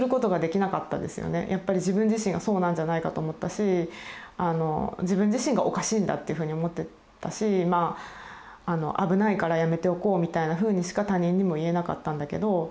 やっぱり自分自身がそうなんじゃないかと思ったし自分自身がおかしいんだっていうふうに思ってたしまあ危ないからやめておこうみたいなふうにしか他人にも言えなかったんだけど。